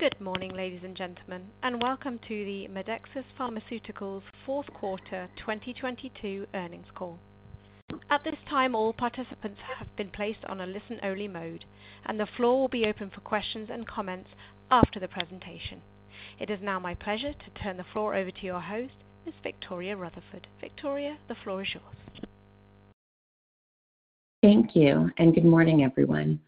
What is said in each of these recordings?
Good morning, ladies and gentlemen, and welcome to the Medexus Pharmaceuticals Fourth Quarter 2022 Earnings Call. At this time, all participants have been placed on a listen-only mode, and the floor will be open for questions and comments after the presentation. It is now my pleasure to turn the floor over to your host, Ms. Victoria Rutherford. Victoria, the floor is yours. Thank you and good morning, everyone.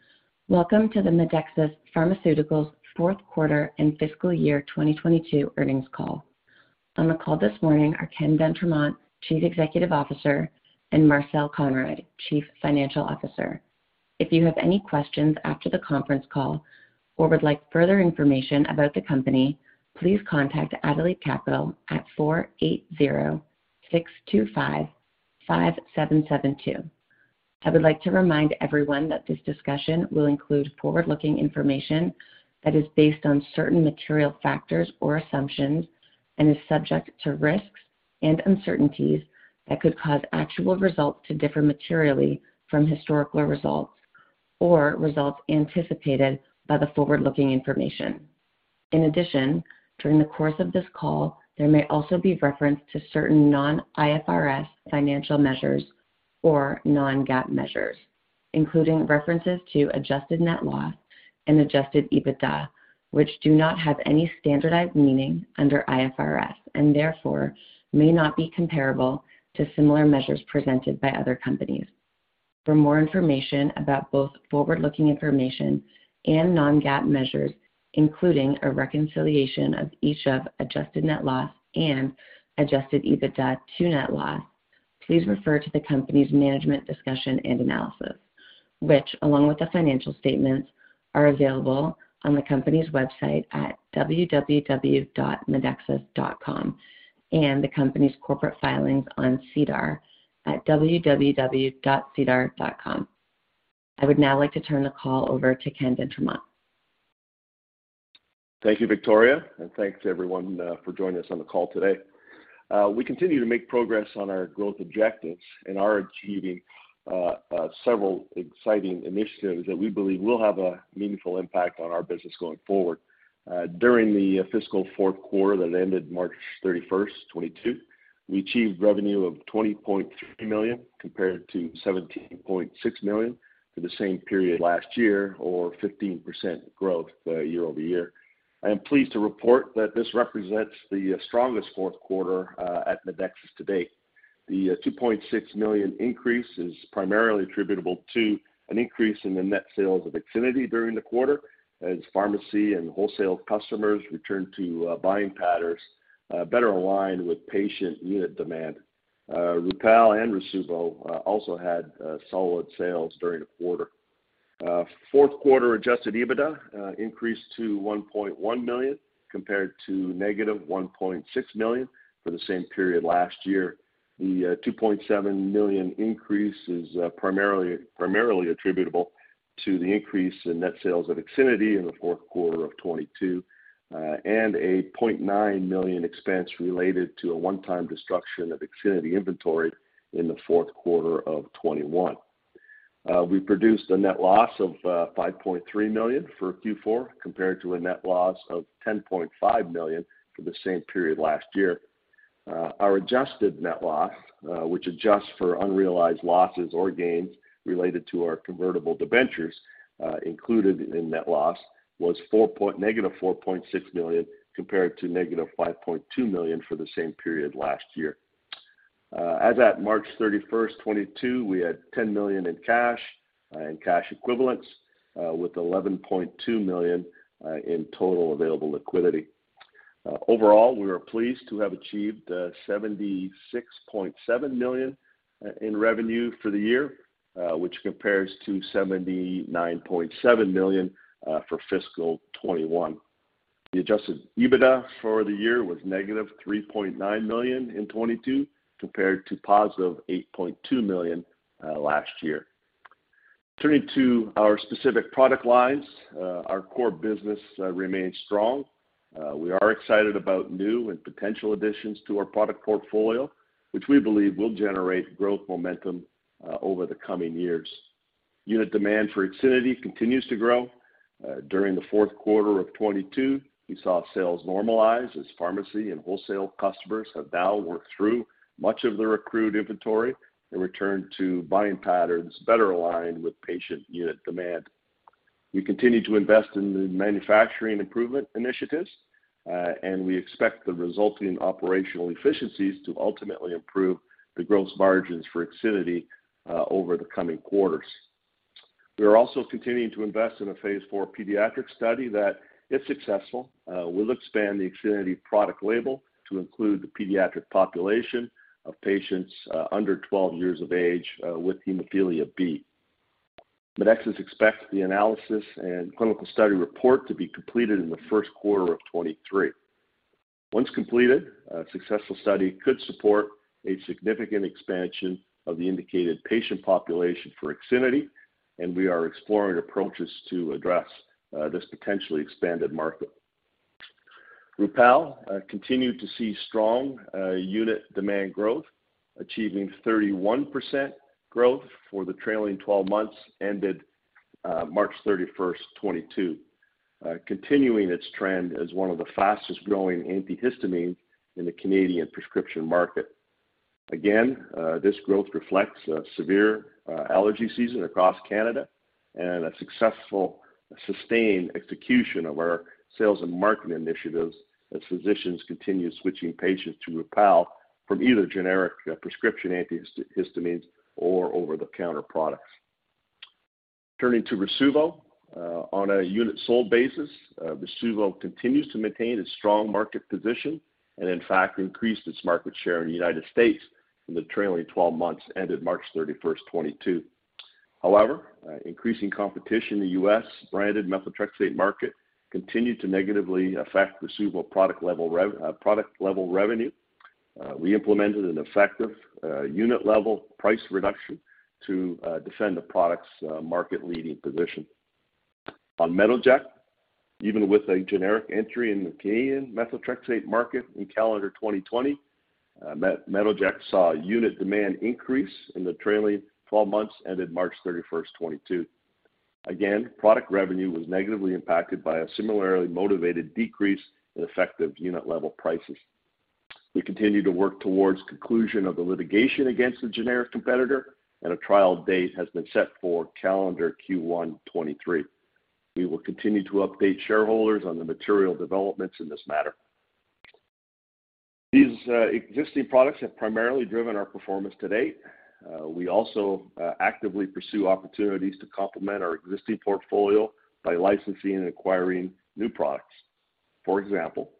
Welcome to the Medexus Pharmaceuticals Fourth Quarter and Fiscal Year 2022 Earnings Call. On the call this morning are Ken d'Entremont, Chief Executive Officer, and Marcel Konrad, Chief Financial Officer. If you have any questions after the conference call or would like further information about the company, please contact Adelaide Capital at 480-625-5772. I would like to remind everyone that this discussion will include forward-looking information that is based on certain material factors or assumptions and is subject to risks and uncertainties that could cause actual results to differ materially from historical results or results anticipated by the forward-looking information. In addition, during the course of this call, there may also be reference to certain non-IFRS financial measures or non-GAAP measures, including references to adjusted net loss Adjusted EBITDA, which do not have any standardized meaning under IFRS and therefore may not be comparable to similar measures presented by other companies. For more information about both forward-looking information and non-GAAP measures, including a reconciliation of each of adjusted net loss and Adjusted EBITDA to net loss, please refer to the company's management discussion and analysis, which along with the financial statements, are available on the company's website at www.medexus.com and the company's corporate filings on SEDAR at www.sedar.com. I would now like to turn the call over to Ken d'Entremont. Thank you, Victoria, and thanks everyone for joining us on the call today. We continue to make progress on our growth objectives and are achieving several exciting initiatives that we believe will have a meaningful impact on our business going forward. During the fiscal fourth quarter that ended March 31st, 2022, we achieved revenue of 20.3 million compared to 17.6 million for the same period last year or 15% growth year-over-year. I am pleased to report that this represents the strongest fourth quarter at Medexus to date. The 2.6 million increase is primarily attributable to an increase in the net sales of IXINITY during the quarter as pharmacy and wholesale customers return to buying patterns better aligned with patient unit demand. Rupall and Rasuvo also had solid sales during the quarter. Fourth quarter Adjusted EBITDA increased to 1.1 million compared to -1.6 million for the same period last year. The 2.7 million increase is primarily attributable to the increase in net sales of IXINITY in the fourth quarter of 2022, and a 0.9 million expense related to a one-time destruction of IXINITY inventory in the fourth quarter of 2021. We produced a net loss of 5.3 million for Q4 compared to a net loss of 10.5 million for the same period last year. Our adjusted net loss, which adjusts for unrealized losses or gains related to our convertible debentures, included in net loss was -4.6 million compared to -5.2 million for the same period last year. As at March 31st, 2022, we had 10 million in cash and cash equivalents, with 11.2 million in total available liquidity. Overall, we are pleased to have achieved 76.7 million in revenue for the year, which compares to 79.7 million for fiscal 2021. The Adjusted EBITDA for the year was negative 3.9 million in 2022 compared to positive 8.2 million last year. Turning to our specific product lines, our core business remains strong. We are excited about new and potential additions to our product portfolio, which we believe will generate growth momentum over the coming years. Unit demand for IXINITY continues to grow. During the fourth quarter of 2022, we saw sales normalize as pharmacy and wholesale customers have now worked through much of the recruit inventory and returned to buying patterns better aligned with patient unit demand. We continue to invest in the manufacturing improvement initiatives, and we expect the resulting operational efficiencies to ultimately improve the gross margins for IXINITY over the coming quarters. We are also continuing to invest in a phase four pediatric study that, if successful, will expand the IXINITY product label to include the pediatric population of patients under 12 years of age with hemophilia B. Medexus expects the analysis and clinical study report to be completed in the first quarter of 2023. Once completed, a successful study could support a significant expansion of the indicated patient population for IXINITY, and we are exploring approaches to address this potentially expanded market. Rupall continued to see strong unit demand growth, achieving 31% growth for the trailing twelve months ended March 31st, 2022. Continuing its trend as one of the fastest growing antihistamines in the Canadian prescription market. Again, this growth reflects a severe allergy season across Canada and a successful sustained execution of our sales and marketing initiatives as physicians continue switching patients to Rupall from either generic prescription antihistamines or over-the-counter products. Turning to Rasuvo. On a unit sold basis, Rasuvo continues to maintain its strong market position and in fact increased its market share in the United States for the trailing twelve months ended March 31st, 2022. However, increasing competition in the U.S. branded methotrexate market continued to negatively affect Rasuvo product level revenue. We implemented an effective, unit level price reduction to defend the product's market-leading position. On Metoject, even with a generic entry in the Canadian methotrexate market in calendar 2020, Metoject saw unit demand increase in the trailing twelve months ended March 31st, 2022. Again, product revenue was negatively impacted by a similarly motivated decrease in effective unit level prices. We continue to work towards conclusion of the litigation against the generic competitor, and a trial date has been set for calendar Q1 2023. We will continue to update shareholders on the material developments in this matter. These existing products have primarily driven our performance to date. We also actively pursue opportunities to complement our existing portfolio by licensing and acquiring new products. For example,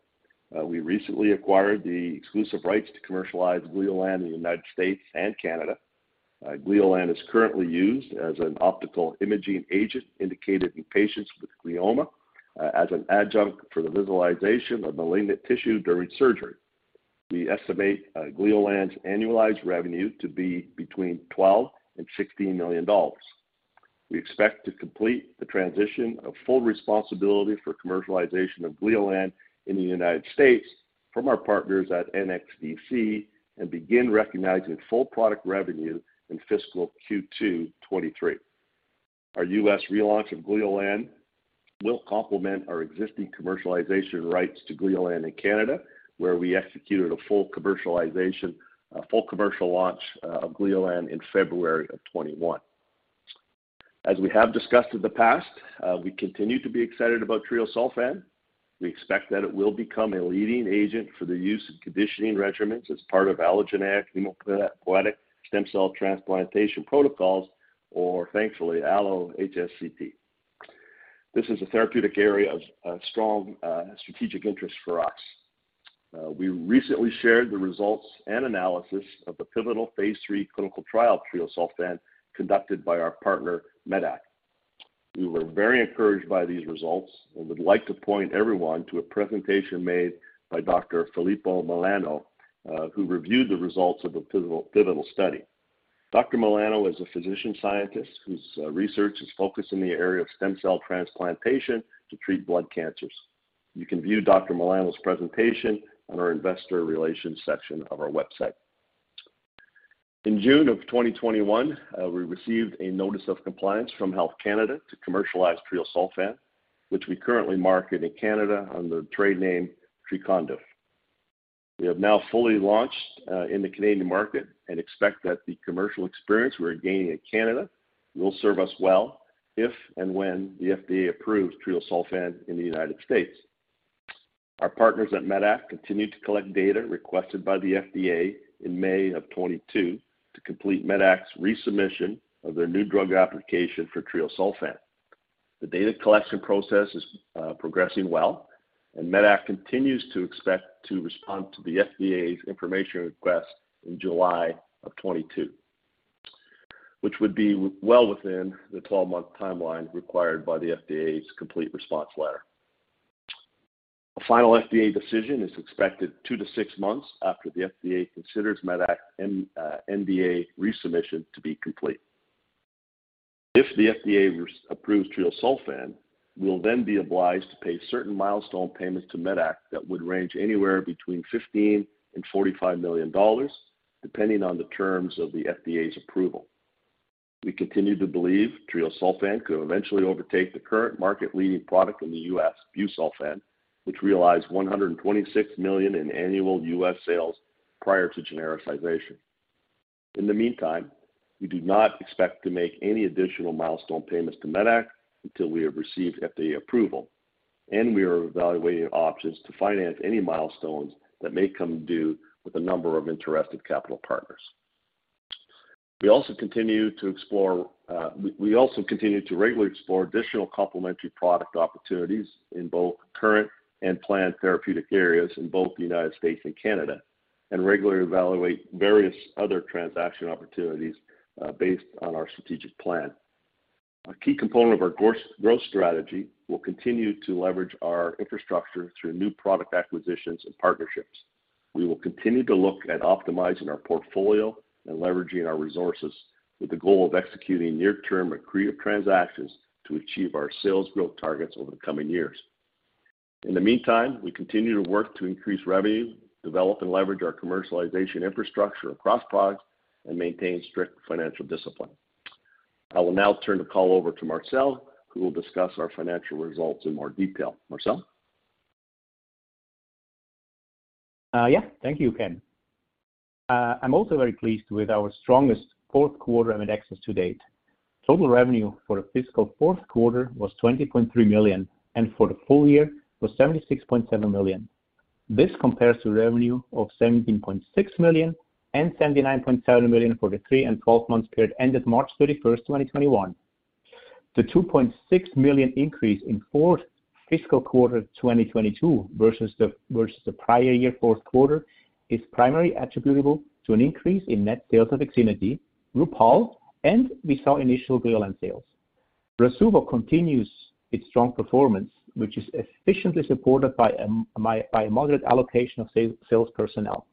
we recently acquired the exclusive rights to commercialize Gleolan in the United States and Canada. Gleolan is currently used as an optical imaging agent indicated in patients with glioma, as an adjunct for the visualization of malignant tissue during surgery. We estimate Gleolan's annualized revenue to be between $12 million and $16 million. We expect to complete the transition of full responsibility for commercialization of Gleolan in the United States from our partners at NXDC and begin recognizing full product revenue in fiscal Q2 2023. Our U.S. relaunch of Gleolan will complement our existing commercialization rights to Gleolan in Canada, where we executed a full commercial launch of Gleolan in February of 2021. As we have discussed in the past, we continue to be excited about treosulfan. We expect that it will become a leading agent for the use of conditioning regimens as part of allogeneic hematopoietic stem cell transplantation protocols, or allo-HSCT. This is a therapeutic area of strong strategic interest for us. We recently shared the results and analysis of the pivotal phase III clinical trial of treosulfan conducted by our partner medac. We were very encouraged by these results and would like to point everyone to a presentation made by Dr. Filippo Milano, who reviewed the results of the pivotal study. Dr. Milano is a physician-scientist whose research is focused in the area of stem cell transplantation to treat blood cancers. You can view Dr. Milano's presentation on our investor relations section of our website. In June of 2021, we received a notice of compliance from Health Canada to commercialize treosulfan, which we currently market in Canada under the trade name Trecondyv. We have now fully launched in the Canadian market and expect that the commercial experience we're gaining in Canada will serve us well if and when the FDA approves treosulfan in the United States. Our partners at medac continue to collect data requested by the FDA in May of 2022 to complete medac's resubmission of their new drug application for treosulfan. The data collection process is progressing well, and medac continues to expect to respond to the FDA's information request in July of 2022, which would be well within the 12-month timeline required by the FDA's Complete Response Letter. A final FDA decision is expected two to six months after the FDA considers medac's NDA resubmission to be complete. If the FDA approves treosulfan, we'll then be obliged to pay certain milestone payments to medac that would range anywhere between $15 million-$45 million, depending on the terms of the FDA's approval. We continue to believe treosulfan could eventually overtake the current market-leading product in the U.S., busulfan, which realized $126 million in annual U.S. Sales prior to genericization. In the meantime, we do not expect to make any additional milestone payments to medac until we have received FDA approval. We are evaluating options to finance any milestones that may come due with a number of interested capital partners. We also continue to explore. We also continue to regularly explore additional complementary product opportunities in both current and planned therapeutic areas in both the United States and Canada, and regularly evaluate various other transaction opportunities based on our strategic plan. A key component of our growth strategy will continue to leverage our infrastructure through new product acquisitions and partnerships. We will continue to look at optimizing our portfolio and leveraging our resources with the goal of executing near-term accretive transactions to achieve our sales growth targets over the coming years. In the meantime, we continue to work to increase revenue, develop and leverage our commercialization infrastructure across products and maintain strict financial discipline. I will now turn the call over to Marcel, who will discuss our financial results in more detail. Marcel? Yeah, thank you, Ken. I'm also very pleased with our strongest fourth quarter of Medexus to date. Total revenue for the fiscal fourth quarter was 20.3 million, and for the full year was 76.7 million. This compares to revenue of 17.6 million and 79.7 million for the three and 12-month period ended March 31st, 2021. The 2.6 million increase in fiscal fourth quarter 2022 versus the prior year fourth quarter is primarily attributable to an increase in net sales of IXINITY, Rupall, and we saw initial Gleolan sales. Rasuvo continues its strong performance, which is efficiently supported by moderate allocation of sales personnel.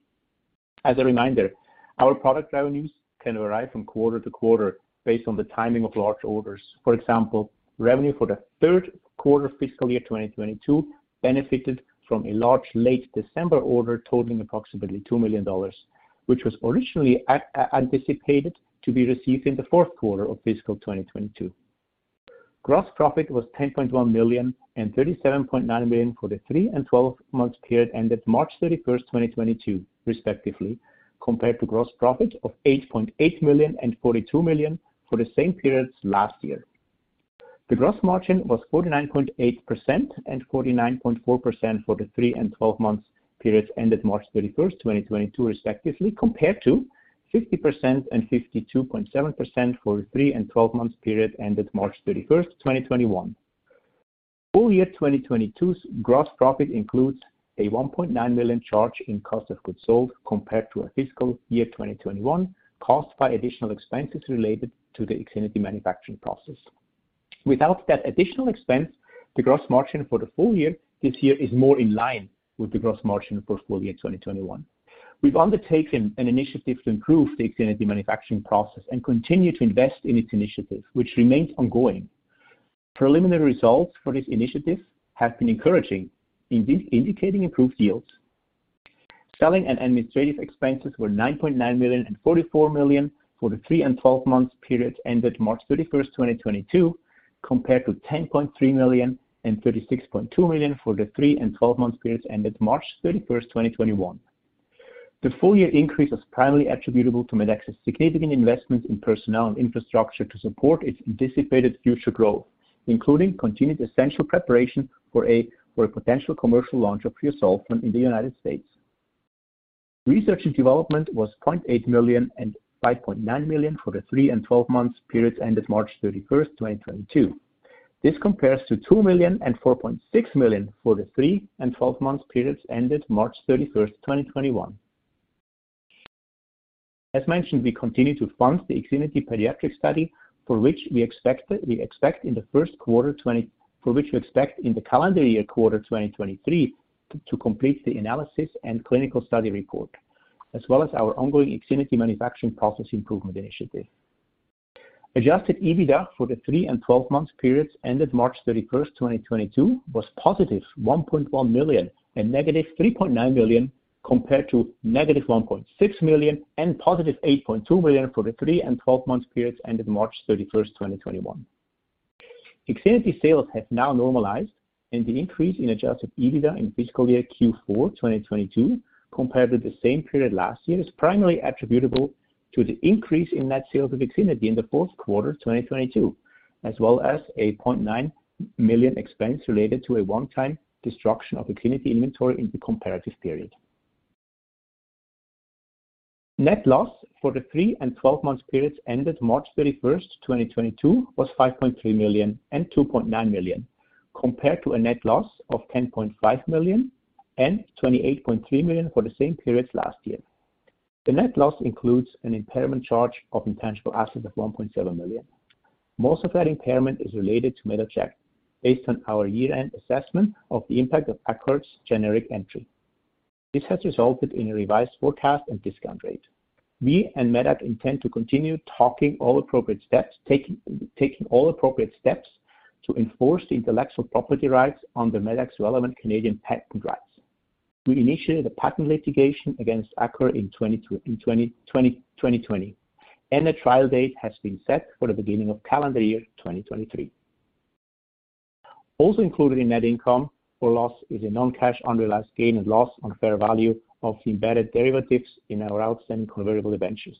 As a reminder, our product revenues can vary from quarter to quarter based on the timing of large orders. For example, revenue for the third quarter fiscal year 2022 benefited from a large late December order totaling approximately 2 million dollars, which was originally anticipated to be received in the fourth quarter of fiscal 2022. Gross profit was 10.1 million and 37.9 million for the three and 12-month period ended March 31st, 2022, respectively, compared to gross profit of 8.8 million and 42 million for the same periods last year. The gross margin was 49.8% and 49.4% for the three and 12-month periods ended March 31st, 2022, respectively, compared to 50% and 52.7% for the three and 12-month period ended March 31st, 2021. Full year 2022's gross profit includes a 1.9 million charge in cost of goods sold compared to our fiscal year 2021, caused by additional expenses related to the IXINITY manufacturing process. Without that additional expense, the gross margin for the full year this year is more in line with the gross margin for full year 2021. We've undertaken an initiative to improve the IXINITY manufacturing process and continue to invest in its initiative, which remains ongoing. Preliminary results for this initiative have been encouraging, indicating improved yields. Selling and administrative expenses were 9.9 million and 44 million for the three and 12-month period ended March 31st, 2022, compared to 10.3 million and 36.2 million for the three and 12-month periods ended March 31, 2021. The full year increase is primarily attributable to Medexus's significant investment in personnel and infrastructure to support its anticipated future growth, including continued essential preparation for a potential commercial launch of treosulfan in the United States. Research and development was 0.8 million and 5.9 million for the three and 12-month periods ended March 31st, 2022. This compares to 2 million and 4.6 million for the three and 12-month periods ended March 31st, 2021. As mentioned, we continue to fund the IXINITY pediatric study for which we expect in the first quarter 2023 to complete the analysis and clinical study report, as well as our ongoing IXINITY manufacturing process improvement initiative. Adjusted EBITDA for the three and 12-month periods ended March 31st, 2022 was +1.1 million and -3.9 million, compared to -1.6 million and +8.2 million for the three and 12-month periods ended March 31st, 2021. IXINITY sales have now normalized, and the increase in Adjusted EBITDA in fiscal year Q4 2022 compared to the same period last year is primarily attributable to the increase in net sales of IXINITY in the fourth quarter 2022, as well as 0.9 million expense related to a one-time destruction of IXINITY inventory in the comparative period. Net loss for the three and 12-month periods ended March 31st, 2022 was 5.3 million and 2.9 million, compared to a net loss of 10.5 million and 28.3 million for the same periods last year. The net loss includes an impairment charge of intangible assets of 1.7 million. Most of that impairment is related to medac, based on our year-end assessment of the impact of Accord's generic entry. This has resulted in a revised forecast and discount rate. We and medac intend to continue taking all appropriate steps to enforce the intellectual property rights on the medac's relevant Canadian patent rights. We initiated a patent litigation against Accord in 2020, and a trial date has been set for the beginning of calendar year 2023. Also included in net income or loss is a non-cash unrealized gain and loss on fair value of the embedded derivatives in our outstanding convertible debentures,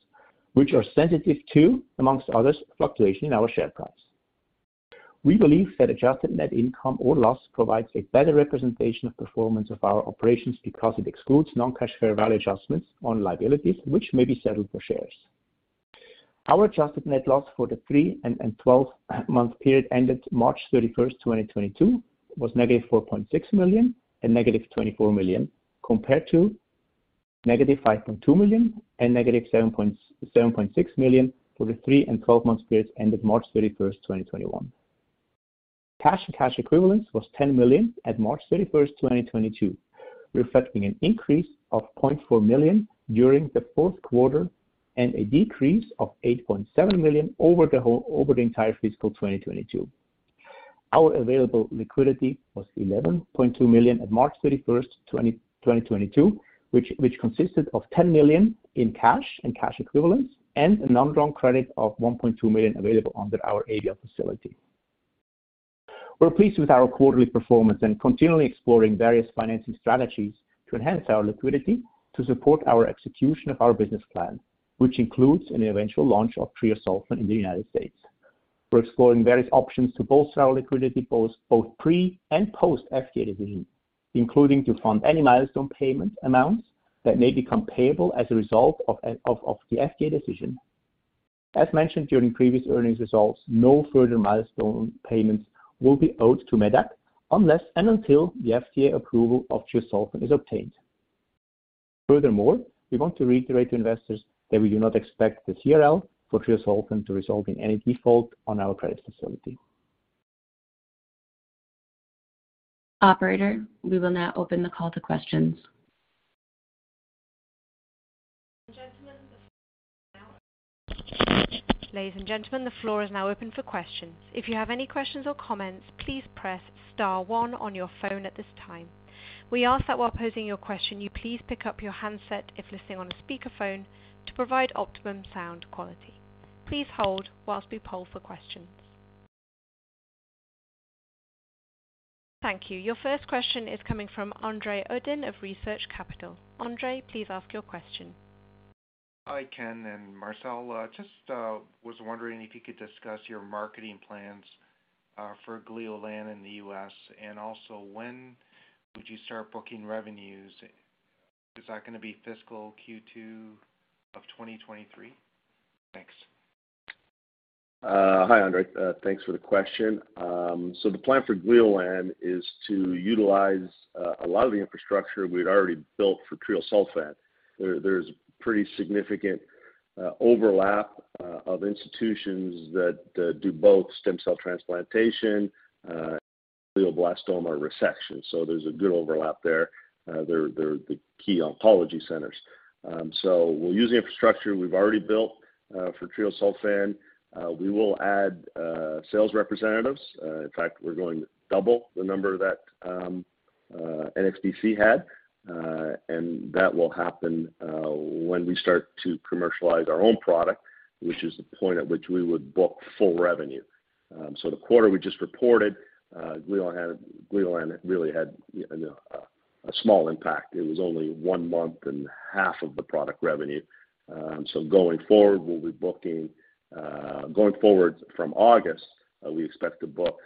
which are sensitive to, among others, fluctuation in our share price. We believe that adjusted net income or loss provides a better representation of performance of our operations because it excludes non-cash fair value adjustments on liabilities which may be settled for shares. Our adjusted net loss for the three and 12-month period ended March 31st, 2022 was negative 4.6 million and negative 24 million, compared to negative 5.2 million and negative 7.6 million for the three and 12-month periods ended March 31st, 2021. Cash and cash equivalents was 10 million at March 31st, 2022, reflecting an increase of 0.4 million during the fourth quarter and a decrease of 8.7 million over the entire fiscal 2022. Our available liquidity was 11.2 million at March 31st, 2022, which consisted of 10 million in cash and cash equivalents, and an undrawn credit of 1.2 million available under our ABL facility. We're pleased with our quarterly performance and continually exploring various financing strategies to enhance our liquidity to support our execution of our business plan, which includes an eventual launch of treosulfan in the United States. We're exploring various options to bolster liquidity both pre- and post-FDA decision, including to fund any milestone payment amounts that may become payable as a result of the FDA decision. As mentioned during previous earnings results, no further milestone payments will be owed to medac unless and until the FDA approval of treosulfan is obtained. Furthermore, we want to reiterate to investors that we do not expect the CRL for treosulfan to result in any default on our credit facility. Operator, we will now open the call to questions. Ladies and gentlemen, the floor is now open for questions. If you have any questions or comments, please press star one on your phone at this time. We ask that while posing your question, you please pick up your handset if listening on a speakerphone to provide optimum sound quality. Please hold while we poll for questions. Thank you. Your first question is coming from Andre Uddin of Research Capital. Andre, please ask your question. Hi, Ken and Marcel. Just was wondering if you could discuss your marketing plans for Gleolan in the U.S., and also when would you start booking revenues? Is that gonna be fiscal Q2 of 2023? Thanks. Hi, Andre. Thanks for the question. The plan for Gleolan is to utilize a lot of the infrastructure we'd already built for treosulfan. There's pretty significant overlap of institutions that do both stem cell transplantation, glioblastoma resection. There's a good overlap there. They're the key oncology centers. We're using infrastructure we've already built for treosulfan. We will add sales representatives. In fact, we're going to double the number that NXDC had. That will happen when we start to commercialize our own product, which is the point at which we would book full revenue. The quarter we just reported, Gleolan really had, you know, a small impact. It was only one month and half of the product revenue. Going forward from August, we expect to book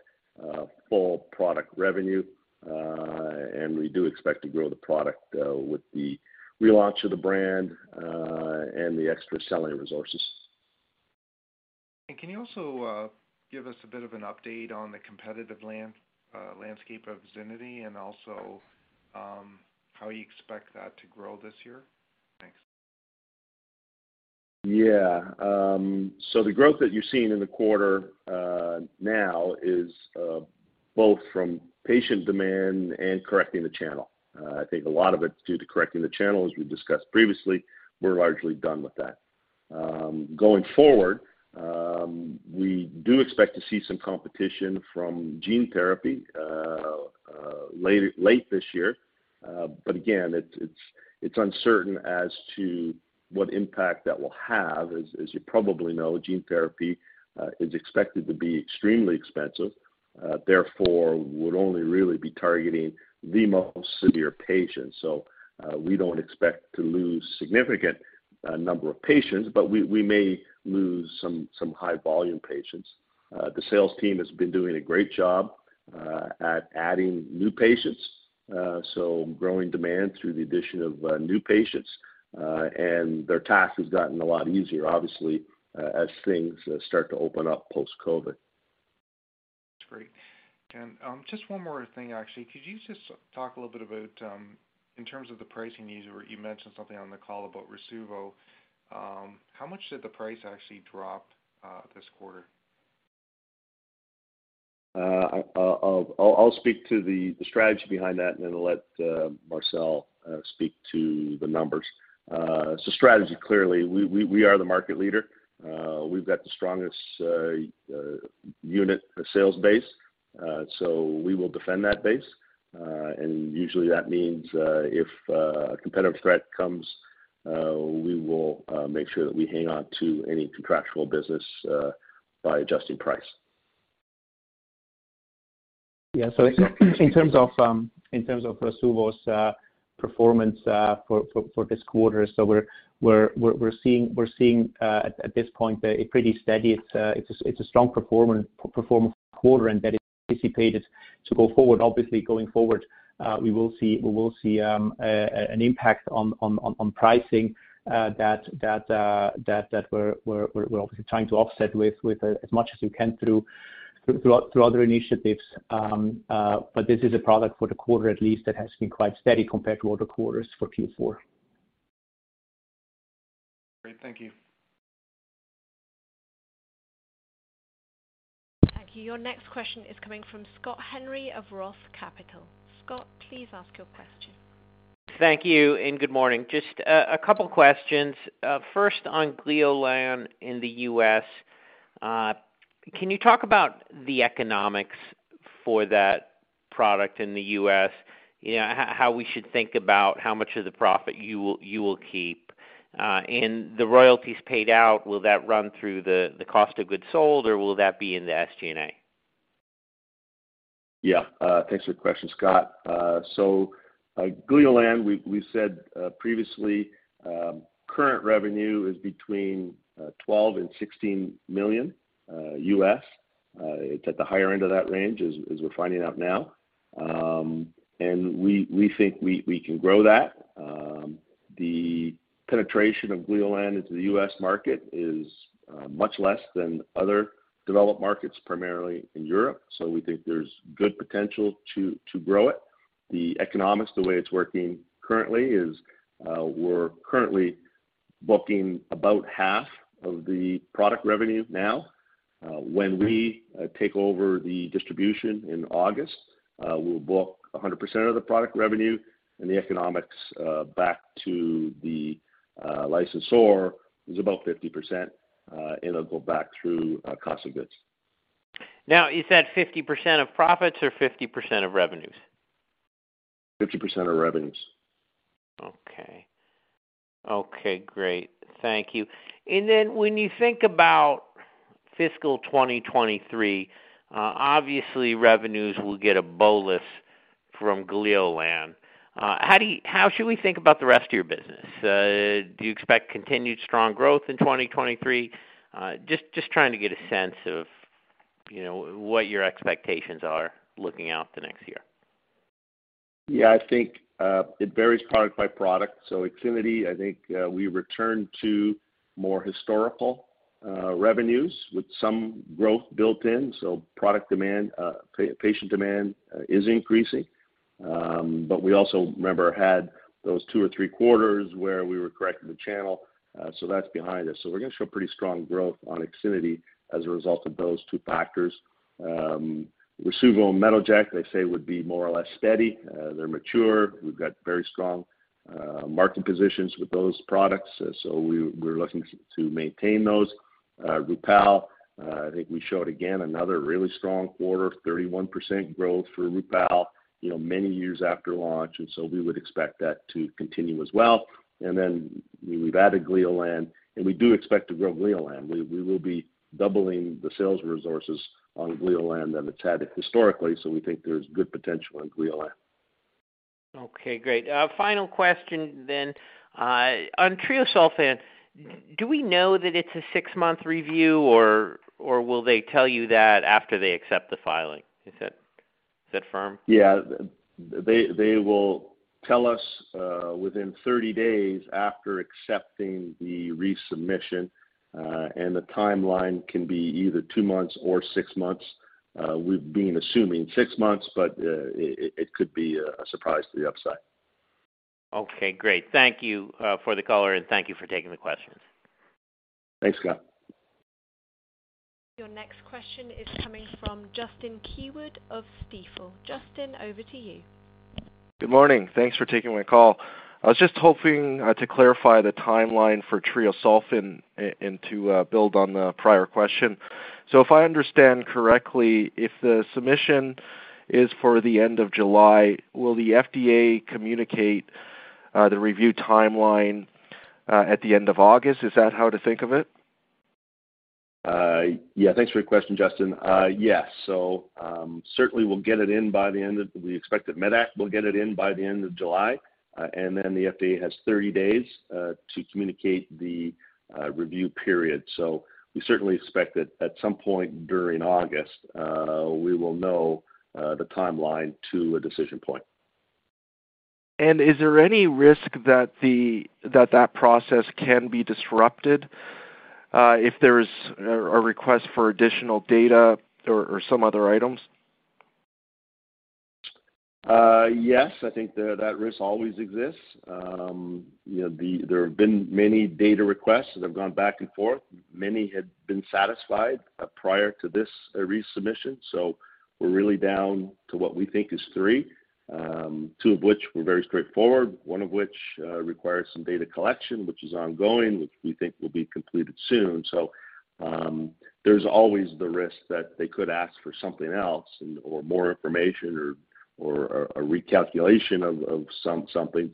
full product revenue, and we do expect to grow the product with the relaunch of the brand, and the extra selling resources. Can you also give us a bit of an update on the competitive landscape of IXINITY and also how you expect that to grow this year? Thanks. Yeah. The growth that you're seeing in the quarter now is both from patient demand and correcting the channel. I think a lot of it's due to correcting the channel, as we discussed previously. We're largely done with that. Going forward, we do expect to see some competition from gene therapy late this year. Again, it's uncertain as to what impact that will have. As you probably know, gene therapy is expected to be extremely expensive, therefore would only really be targeting the most severe patients. We don't expect to lose significant number of patients, but we may lose some high volume patients. The sales team has been doing a great job at adding new patients, so growing demand through the addition of new patients, and their task has gotten a lot easier, obviously, as things start to open up post-COVID. That's great. Just one more thing, actually. Could you just talk a little bit about, in terms of the pricing you mentioned something on the call about Rasuvo? How much did the price actually drop this quarter? I'll speak to the strategy behind that and then let Marcel speak to the numbers. Strategy, clearly, we are the market leader. We've got the strongest unit sales base, so we will defend that base. Usually that means, if a competitive threat comes, we will make sure that we hang on to any contractual business by adjusting price. Yeah. In terms of Rasuvo's performance for this quarter, we're seeing at this point a pretty steady. It's a strong performance quarter and that is anticipated to go forward. Obviously going forward, we will see an impact on pricing that we're obviously trying to offset with as much as we can through other initiatives. But this is a product for the quarter at least that has been quite steady compared to other quarters for Q4. Great. Thank you. Thank you. Your next question is coming from Scott Henry of Roth Capital. Scott, please ask your question. Thank you, and good morning. Just a couple questions. First on Gleolan in the U.S. Can you talk about the economics for that product in the U.S.? You know, how we should think about how much of the profit you will keep. The royalties paid out, will that run through the cost of goods sold, or will that be in the SG&A? Thanks for the question, Scott. Gleolan, we said previously, current revenue is between $12 million-$16 million. It's at the higher end of that range as we're finding out now. We think we can grow that. The penetration of Gleolan into the U.S. market is much less than other developed markets, primarily in Europe, so we think there's good potential to grow it. The economics, the way it's working currently is, we're currently booking about half of the product revenue now. When we take over the distribution in August, we'll book 100% of the product revenue and the economics back to the licensor is about 50%. It'll go back through cost of goods. Now, is that 50% of profits or 50% of revenues? 50% of revenues. Okay. Okay, great. Thank you. Then when you think about fiscal 2023, obviously revenues will get a bolus from Gleolan. How should we think about the rest of your business? Do you expect continued strong growth in 2023? Just trying to get a sense of, you know, what your expectations are looking out the next year. Yeah, I think it varies product by product. IXINITY, I think, we return to more historical revenues with some growth built in. Product demand, patient demand, is increasing. But we also remember we had those two or three quarters where we were correcting the channel. That's behind us. We're gonna show pretty strong growth on IXINITY as a result of those two factors. Rasuvo and Metoject, these would be more or less steady. They're mature. We've got very strong market positions with those products, so we're looking to maintain those. Rupall, I think we showed again another really strong quarter, 31% growth for Rupall, you know, many years after launch, so we would expect that to continue as well. We've added Gleolan, and we do expect to grow Gleolan. We will be doubling the sales resources on Gleolan than it's had historically, so we think there's good potential in Gleolan. Okay, great. Final question. On treosulfan, do we know that it's a six-month review, or will they tell you that after they accept the filing? Is that firm? Yeah. They will tell us within 30 days after accepting the resubmission. The timeline can be either two months or six months. We've been assuming six months, but it could be a surprise to the upside. Okay, great. Thank you for the color, and thank you for taking the questions. Thanks, Scott. Your next question is coming from Justin Keywood of Stifel. Justin, over to you. Good morning. Thanks for taking my call. I was just hoping to clarify the timeline for treosulfan and to build on the prior question. If I understand correctly, if the submission is for the end of July, will the FDA communicate the review timeline at the end of August? Is that how to think of it? Thanks for your question, Justin. Certainly, we expect that medac will get it in by the end of July, and then the FDA has 30 days to communicate the review period. We certainly expect that at some point during August, we will know the timeline to a decision point. Is there any risk that the process can be disrupted, if there is a request for additional data or some other items? Yes. I think that risk always exists. You know, there have been many data requests that have gone back and forth. Many had been satisfied prior to this resubmission. We're really down to what we think is three, two of which were very straightforward, one of which requires some data collection, which is ongoing, which we think will be completed soon. There's always the risk that they could ask for something else or more information or a recalculation of something.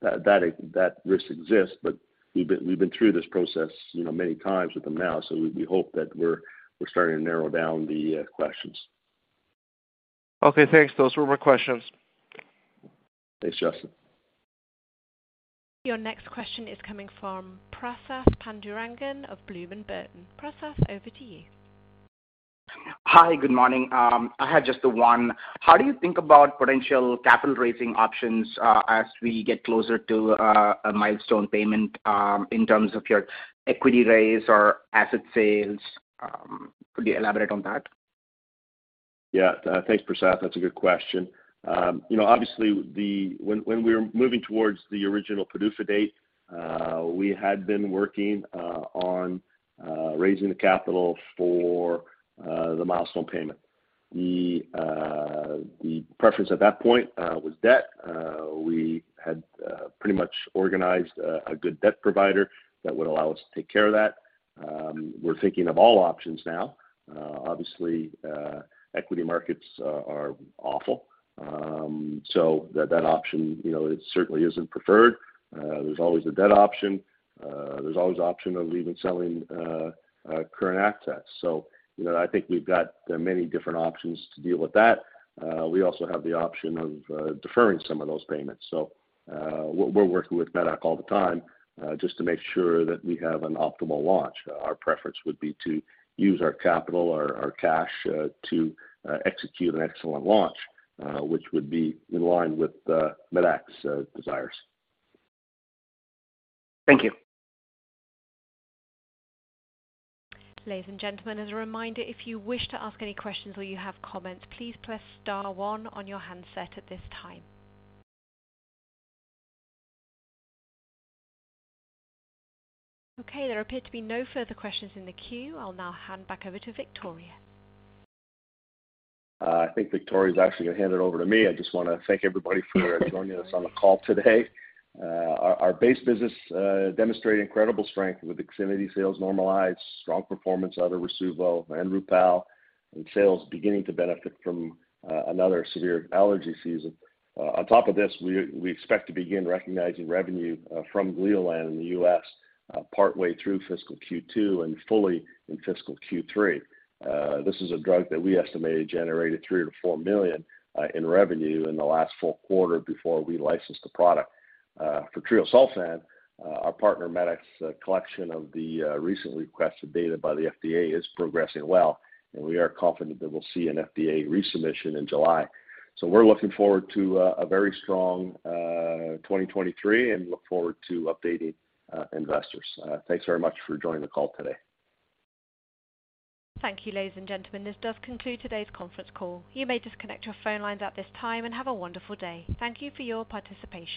That risk exists, but we've been through this process, you know, many times with them now, so we hope that we're starting to narrow down the questions. Okay, thanks. Those were my questions. Thanks, Justin. Your next question is coming from Prasath Pandurangan of Bloom Burton. Prasath, over to you. Hi, good morning. I had just the one. How do you think about potential capital raising options, as we get closer to a milestone payment, in terms of your equity raise or asset sales? Could you elaborate on that? Yeah. Thanks, Prasath. That's a good question. Obviously, we're moving towards the original PDUFA date. We had been working on raising the capital for the milestone payment. The preference at that point was debt. We had pretty much organized a good debt provider that would allow us to take care of that. We're thinking of all options now. Obviously, equity markets are awful. That option certainly isn't preferred. There's always the debt option. There's always the option of even selling current assets. You know, I think we've got many different options to deal with that. We also have the option of deferring some of those payments. We're working with medac all the time, just to make sure that we have an optimal launch. Our preference would be to use our capital or our cash, to execute an excellent launch, which would be in line with medac's desires. Thank you. Ladies and gentlemen, as a reminder, if you wish to ask any questions or you have comments, please press star one on your handset at this time. Okay, there appear to be no further questions in the queue. I'll now hand back over to Victoria. I think Victoria is actually gonna hand it over to me. I just wanna thank everybody for joining us on the call today. Our base business demonstrated incredible strength with IXINITY sales normalized, strong performance out of Rasuvo and Rupall, and sales beginning to benefit from another severe allergy season. On top of this, we expect to begin recognizing revenue from Gleolan in the U.S. partway through fiscal Q2 and fully in fiscal Q3. This is a drug that we estimated generated $3 million-$4 million in revenue in the last full quarter before we licensed the product. For treosulfan, our partner medac's collection of the recently requested data by the FDA is progressing well, and we are confident that we'll see an FDA resubmission in July. We're looking forward to a very strong 2023 and look forward to updating investors. Thanks very much for joining the call today. Thank you. Ladies and gentlemen, this does conclude today's conference call. You may disconnect your phone lines at this time and have a wonderful day. Thank you for your participation.